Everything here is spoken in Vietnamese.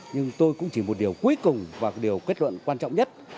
nhưng tôi cũng chỉ một điều cuối cùng và điều kết luận quan trọng nhất